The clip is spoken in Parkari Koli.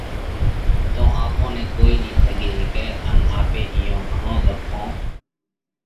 تو آپون نئہ ڪوئي نئين ٺڳي هيڪئہ ان آپي گھڻون ۮکون